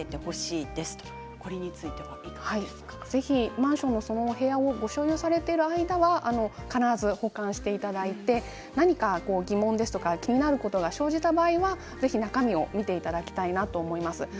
マンションの総会の資料ですが必ず保管していただいて何か疑問ですとか気になることが生じた場合にはぜひ中身を見ていただきたいなと思います。